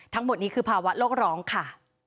ทั้งหมดนี้คือภาวะโลกร้องค่ะ